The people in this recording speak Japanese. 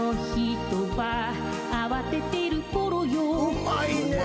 うまいねぇ！